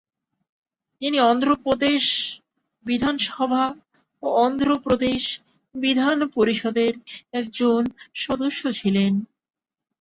তিনি অন্ধ্র প্রদেশ বিধানসভা ও অন্ধ্র প্রদেশ বিধান পরিষদের একজন সদস্য ছিলেন।